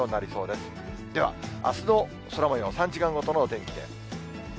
では、あすの空もよう、３時間ごとのお天気です。